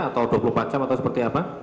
atau dua puluh empat jam atau seperti apa